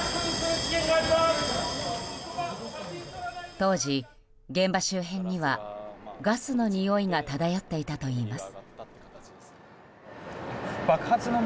当時、現場周辺にはガスのにおいが漂っていたといいます。